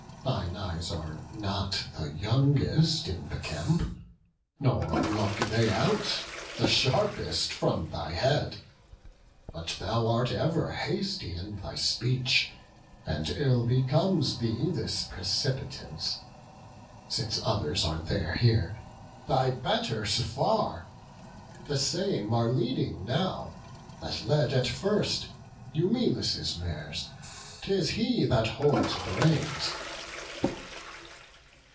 Thine eyes are not the youngest in the camp, Nor look they out the sharpest from thy head; But thou art ever hasty in thy speech, And ill becomes thee this precipitance. Since others are there here, thy betters far. The same are leading now, that led at first, Eumelus' mares; 'tis he that holds the reins."